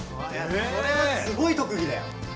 これはすごいとくぎだよ！